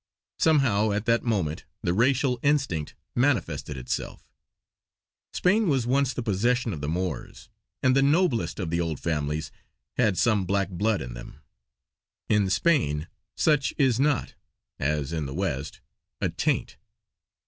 Somehow at that moment the racial instinct manifested itself. Spain was once the possession of the Moors, and the noblest of the old families had some black blood in them. In Spain, such is not, as in the West, a taint.